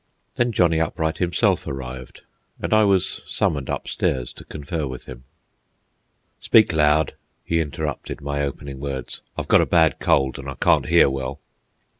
Then Johnny Upright himself arrived, and I was summoned upstairs to confer with him. "Speak loud," he interrupted my opening words. "I've got a bad cold, and I can't hear well."